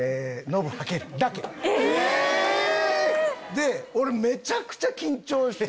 で俺めちゃくちゃ緊張してて。